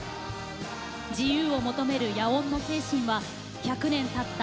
自由を求める野音の精神は１００年たった